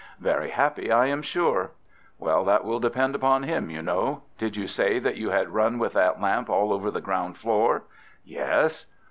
"Very happy, I am sure." "Well, that will depend upon him, you know. Did you say that you had run with that lamp all over the ground floor?" "Yes."